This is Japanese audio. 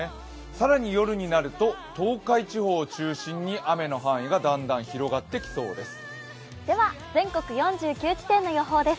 更に夜になると、東海地方を中心に雨の範囲がだんだん広がってきそうです。